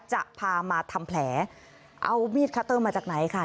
จะพามาทำแผลเอามีดคัตเตอร์มาจากไหนค่ะ